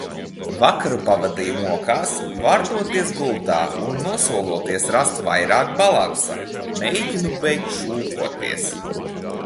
Vakaru pavadīju mokās, vārtoties gultā un nosoloties rast vairāk balansa. Mēģinu beigt šūpoties.